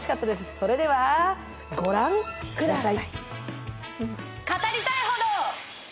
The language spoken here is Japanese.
それでは御覧ください。